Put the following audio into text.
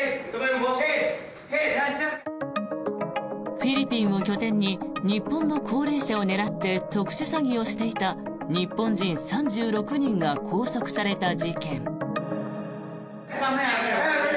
フィリピンを拠点に日本の高齢者を狙って特殊詐欺をしていた日本人３６人が拘束された事件。